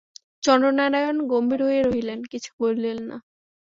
চন্দ্রনারায়ণ গম্ভীর হইয়া রহিলেন, কিছু বলিলেন না।